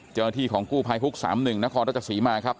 เจ้าหน้าที่ของกู้พายฮุกสามหนึ่งนครราชสีมาครับ